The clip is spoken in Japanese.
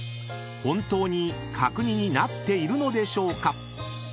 ［本当に角煮になっているのでしょうか？］